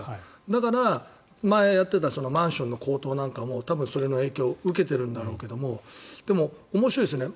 だから、前にやっていたマンションの高騰なんかも多分それの影響を受けているけれどもでも、面白いですよね。